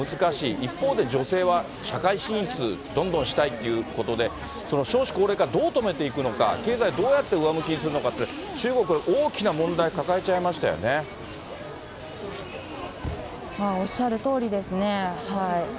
一方で女性は社会進出、どんどんしたいということで、その少子高齢化、どう止めていくのか、経済、どうやって上向きにするのかって、中国、大きな問題、抱えちゃいまおっしゃるとおりですね。